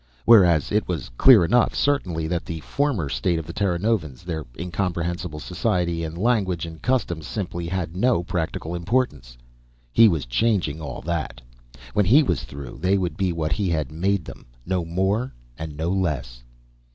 Whereas it was clear enough, certainly, that the former state of the Terranovans, their incomprehensible society and language and customs, simply had no practical importance. He was changing all that. When he was through, they would be what he had made them, no more and no less.